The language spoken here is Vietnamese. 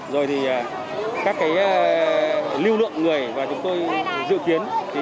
rồi thì các lưu lượng người và chúng tôi dự kiến